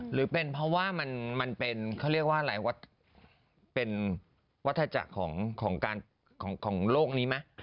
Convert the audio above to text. หรือเป็นเพราะว่ามันเป็นเขาเรียกว่าอะไรเป็นวัฒนาจักรของโลกนี้ไหม